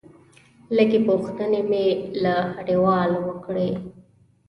لږې پوښتنې مې له هټيوالو وکړې.